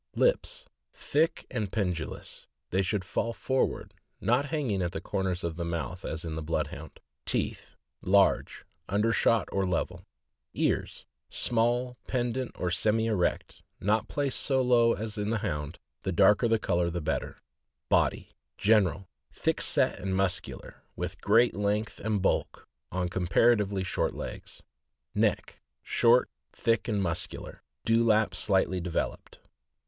Lips.— Thick and pendulous; they should fall forward (not hang at the corners of the mouth as in the Blood hound). Teeth.— Large, undershot or level. Ears. — Small, pendent or semi erect, not placed so low as in the Hound; the darker the color the better. THE MASTIFF. 587 BODY. General. — Thick set and muscular, with great length and bulk, on comparatively short legs. Neck. — Short, thick, and muscular; dewlap slightly developed.